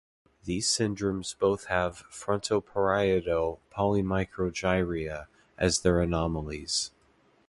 These syndromes both have frontoparieto polymicrogyria as their anomalies.